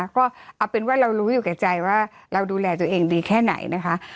ก็เอาเป็นว่าเรารู้อยู่แก่ใจว่าเราดูแลตัวเองดีแค่ไหนนะคะ